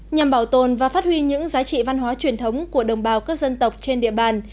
nhằm bảo tồn và phát huy những giá trị văn hóa truyền thống của đồng bào các dân tộc trên địa bàn